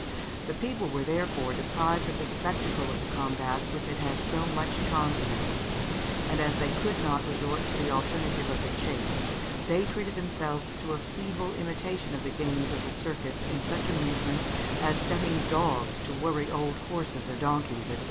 The people were therefore deprived of the spectacle of the combats which had had so much charm for them; and as they could not resort to the alternative of the chase, they treated themselves to a feeble imitation of the games of the circus in such amusements as setting dogs to worry old horses or donkeys, &c.